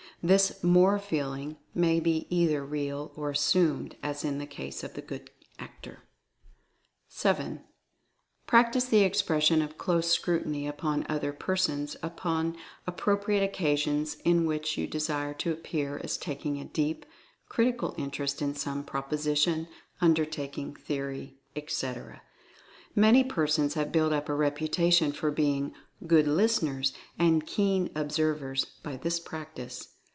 This "more feeling" may be either real or assumed, as in the case of the good actor. 7. Practice the expression of Close Scrutiny upon other persons upon appropriate occasions in which you desire to appear as taking a deep, critical interest in some proposition, undertaking, theory, etc. Many per sons have built up a reputation for being "good listen ers" and "keen observers" by this practice.